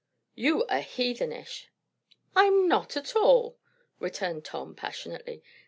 "You are heathenish!" "I'm not, at all!" returned Tom passionately.